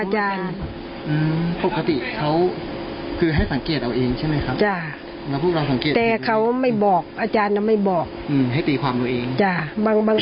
ให้ตีความเรื่องเอง